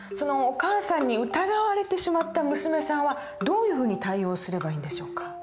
お母さんに疑われてしまった娘さんはどういうふうに対応すればいいんでしょうか？